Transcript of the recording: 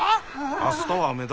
明日は雨だ。